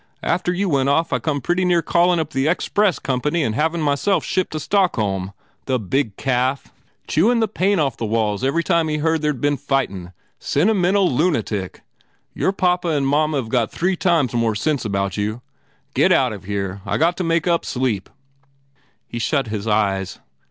After you went off I come pretty near callin up the ex press company and havin myself shipped to Stockholm! The big calf! Chewin the paint 138 GURDY off the walls every time he heard there d been fightin ! Sentymental lunatic! Your papa and mamma Ve got three times more sense about you. Get out of here. I got to make up sleep." He shut his eyes.